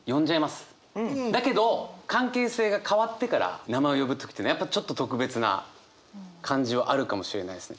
だけど関係性が変わってから名前を呼ぶ時やっぱちょっと特別な感じはあるかもしれないですね。